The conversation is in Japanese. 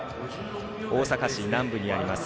大阪市南部にあります